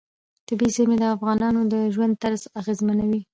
طبیعي زیرمې د افغانانو د ژوند طرز اغېزمنوي.